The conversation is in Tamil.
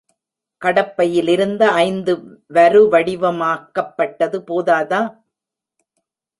கடப்பையில் இந்த ஐந்து வருவடிமாகப்பட்டது போதாதா?